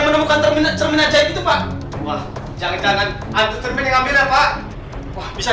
menemukan termina termina jahit itu pak wah jangan jangan antutermin ngambil ya pak bisa